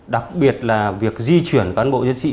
đặc biệt là việc di chuyển cán bộ nhân sỹ